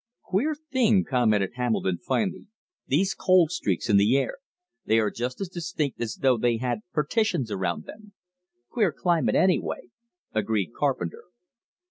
"Queer thing," commented Hamilton finally, "these cold streaks in the air. They are just as distinct as though they had partitions around them." "Queer climate anyway," agreed Carpenter.